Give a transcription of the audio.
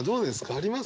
ありますか？